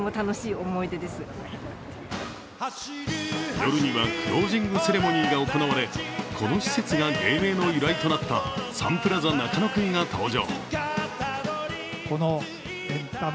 夜にはクロージングセレモニーが行われ、この施設が芸名の由来となったサンプラザ中野くんが登場。